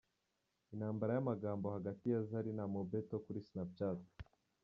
Intambara y’amagambo hagati ya Zari na Mobeto kuri Snapchat.